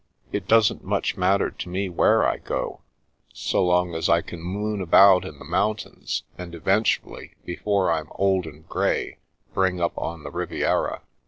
" It doesn't much matter to me where I go, so long as I can moon about in the mountains, and eventually, before I'm old and grey, bring up on the Riviera."